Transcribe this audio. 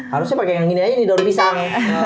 harusnya pakai yang gini aja nih daun pisang